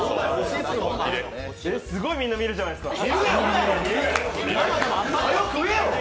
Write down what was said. すごいみんな見るじゃないですか。